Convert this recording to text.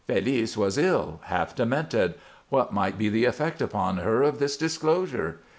Félice was ill, half demented. What might be the effect upon her of this disclosure?